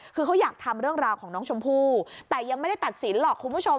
คือเขาอยากทำเรื่องราวของน้องชมพู่แต่ยังไม่ได้ตัดสินหรอกคุณผู้ชม